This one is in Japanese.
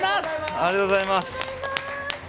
ありがとうございます。